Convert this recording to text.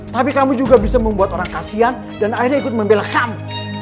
tapi kamu juga bisa membuat orang kasian dan akhirnya ikut membela kamu